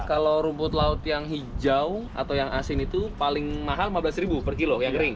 kalau rumput laut yang hijau atau yang asin itu paling mahal rp lima belas per kilo yang kering